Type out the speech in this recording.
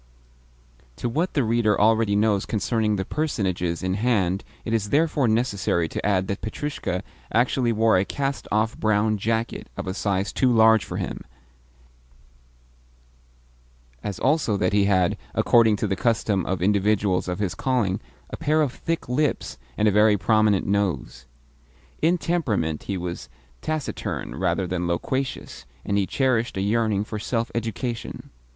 To what the reader already knows concerning the personages in hand it is therefore necessary to add that Petrushka usually wore a cast off brown jacket of a size too large for him, as also that he had (according to the custom of individuals of his calling) a pair of thick lips and a very prominent nose. In temperament he was taciturn rather than loquacious, and he cherished a yearning for self education.